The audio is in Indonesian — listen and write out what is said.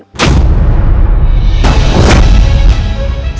adalah arya banyu